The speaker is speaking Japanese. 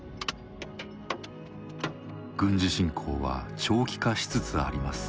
軍事侵攻は長期化しつつあります。